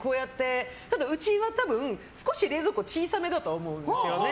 ただうちは少し冷蔵庫が小さめだと思うんですよね。